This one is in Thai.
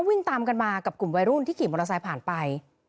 วิ่งตามกันมากับกลุ่มวัยรุ่นที่ขี่มอเตอร์ไซค์ผ่านไป